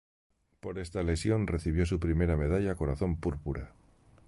Por esta lesión recibió su primera medalla Corazón Púrpura.